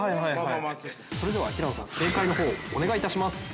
◆それでは平野さん、正解をお願いいたします。